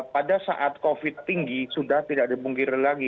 pada saat covid tinggi sudah tidak dibungkiri lagi